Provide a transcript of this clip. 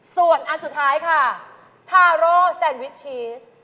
ส่วนอันสุดท้ายค่ะทาโร่แซนวิชชีส